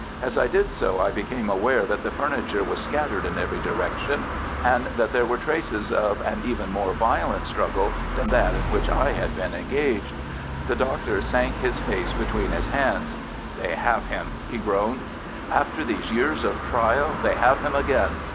As I did so, I became aware that the furniture was scattered in every direction, and that there were traces of an even more violent struggle than that in which I had been engaged. The Doctor sank his face between his hands. "They have him," he groaned. "After these years of trial they have him again.